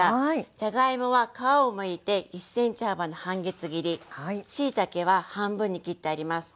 じゃがいもは皮をむいて１ｃｍ幅の半月切りしいたけは半分に切ってあります。